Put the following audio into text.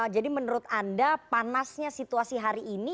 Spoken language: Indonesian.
jadi menurut anda panasnya situasi hari ini